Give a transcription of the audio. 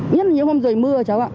nhất là những hôm rời mưa cháu ạ